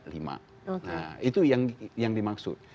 nah itu yang dimaksud